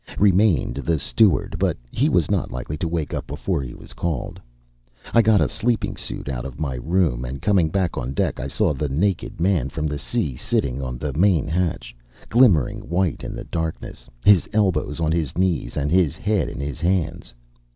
Remained the steward, but he was not likely to wake up before he was called. I got a sleeping suit out of my room and, coming back on deck, saw the naked man from the sea sitting on the main hatch, glimmering white in the darkness, his elbows on his knees and his head in his hands.